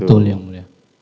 betul yang mulia